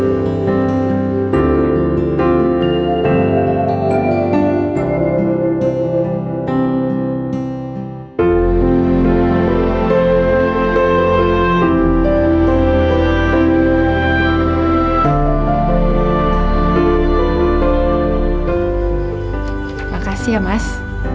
terima kasih ya mas